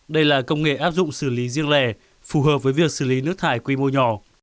đây là công nghệ áp dụng xử lý riêng lẻ phù hợp với việc xử lý nước thải quy mô nhỏ